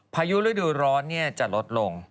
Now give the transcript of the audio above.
พายุฤดูร้อนจะลดลง